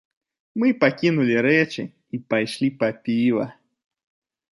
Мы пакінулі рэчы і пайшлі па піва.